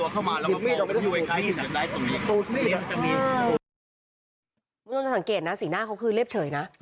คุณผู้ชมจะสังเกตนะสีหน้าเขาคือเรียบเฉยนะ